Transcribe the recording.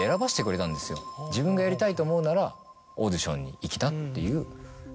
自分がやりたいと思うならオーディションに行きなっていう。